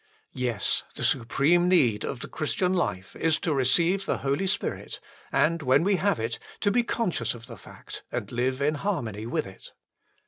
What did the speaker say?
2 Yes : the supreme need of the Christian life is to receive the Holy Spirit, and when we have it, to be conscious of the fact and live in harmony with it.